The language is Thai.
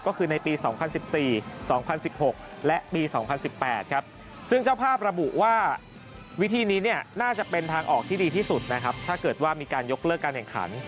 ก็คือในปี๒๐๑๔๒๐๑๖และปี๒๐๑๘ครับซึ่งเจ้าภาพระบุว่าวิธีนี้เนี่ยน่าจะเป็นทางออกที่ดีที่สุดนะครับถ้าเกิดว่ามีการยกเลิกการแข่งขัน